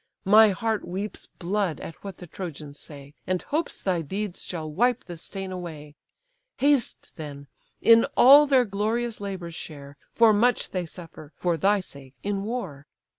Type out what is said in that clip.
My heart weeps blood at what the Trojans say, And hopes thy deeds shall wipe the stain away. Haste then, in all their glorious labours share, For much they suffer, for thy sake, in war.